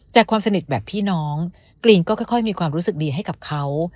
ความสนิทแบบพี่น้องกรีนก็ค่อยมีความรู้สึกดีให้กับเขา